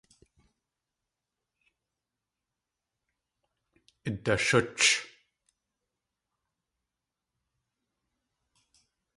Idashúch!